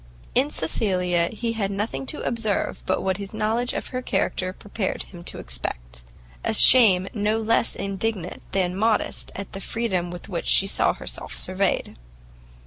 In Cecilia he had nothing to observe but what his knowledge of her character prepared him to expect, a shame no less indignant than modest at the freedom with which she saw herself surveyed.